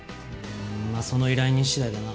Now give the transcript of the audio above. まあその依頼人次第だな。